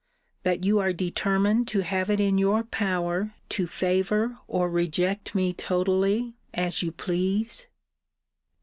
That you are determined to have it in your power to favour or reject me totally, as you please?'